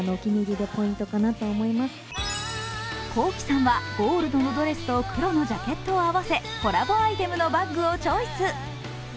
Ｋｏｋｉ，さんはゴールドのドレスと黒のジャケットを合わせコラボアイテムのバッグをチョイス。